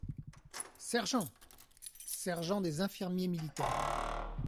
Sergent !… sergent des infirmiers militaires.